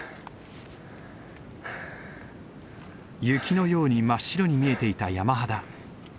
雪のように真っ白に見えていた山肌。